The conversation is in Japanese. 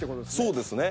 そうですね。